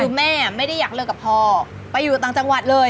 คือแม่ไม่ได้อยากเลิกกับพ่อไปอยู่ต่างจังหวัดเลย